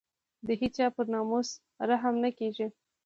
د هېچا پر ناموس رحم نه کېږي.